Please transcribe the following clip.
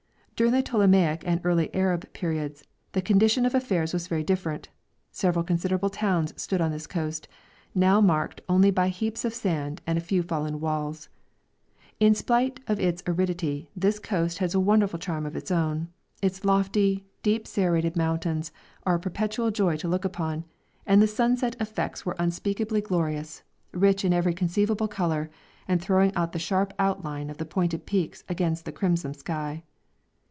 During the Ptolemaic and early Arab periods the condition of affairs was very different; several considerable towns stood on this coast, now marked only by heaps of sand and a few fallen walls. In spite of its aridity, this coast has a wonderful charm of its own; its lofty, deeply serrated mountains are a perpetual joy to look upon, and the sunset effects were unspeakably glorious, rich in every conceivable colour, and throwing out the sharp outline of the pointed peaks against the crimson sky.